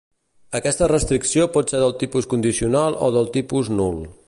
Aquesta restricció pot ser del tipus condicional o del tipus nul.